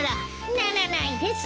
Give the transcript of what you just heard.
ならないです。